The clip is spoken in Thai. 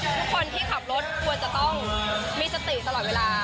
ทุกคนที่ขับรถควรจะต้องมีสติตลอดเวลา